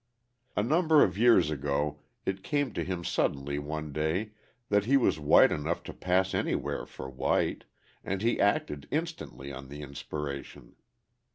A number of years ago it came to him suddenly one day that he was white enough to pass anywhere for white, and he acted instantly on the inspiration.